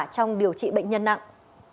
trong điều trị bệnh nhân nặng